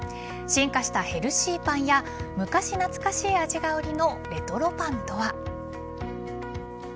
進化したヘルシーパンや昔懐かしい味が売りのレトロパンとは。